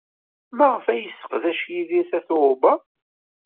Maɣef ay yesseqdac Yidir Tatoeba?